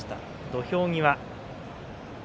土俵際。